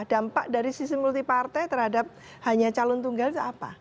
dampak dari sisi multi partai terhadap hanya calon tunggal itu apa